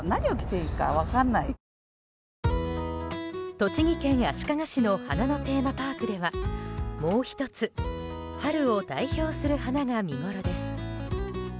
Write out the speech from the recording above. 栃木県足利市の花のテーマパークではもう１つ春を代表する花が見ごろです。